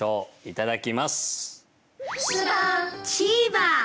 いただきます。